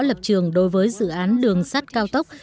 lập trường đối với dự án đường sắt cao tốc